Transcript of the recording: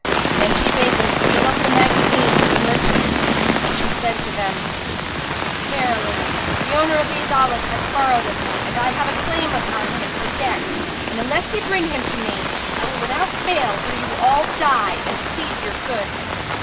Then she bade them seal up the magazines of the merchants and said to them, "Verily the owner of these olives hath borrowed of me and I have a claim upon him for debt and, unless ye bring him to me, I will without fail do you all die and seize your goods."